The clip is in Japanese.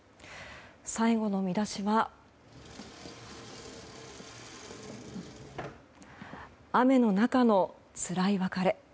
最後の見出しは雨の中のつらい別れ。